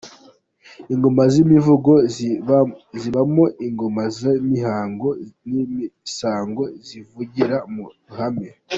Ingoma z’Imivugo zibamo Ingoma z ‘Imihango n’iz’Imisango zivugira mu ruhame.